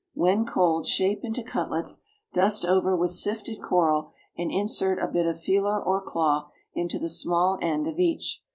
When cold shape into cutlets, dust over with sifted coral, and insert a bit of feeler or claw into the small end of each.